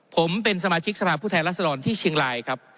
ผมเป็นสมาชิกสภาพผู้แทนรัศดรที่เชียงรายครับ